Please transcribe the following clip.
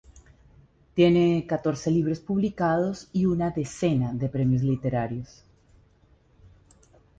Tiene catorce libros publicados y una decena de premios literarios.